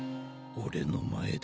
俺の前で。